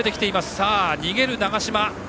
さあ、逃げる長嶋。